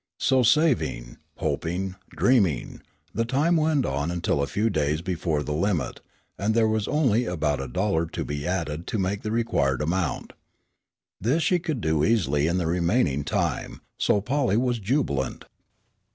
So saving, hoping, dreaming, the time went on until a few days before the limit, and there was only about a dollar to be added to make the required amount. This she could do easily in the remaining time. So Polly was jubilant.